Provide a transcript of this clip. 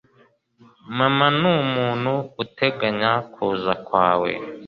mama numuntu uteganya kuza kwawe